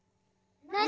何？